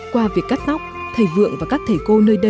qua việc cắt móc thầy vượng và các thầy cô nơi đây có thiết kế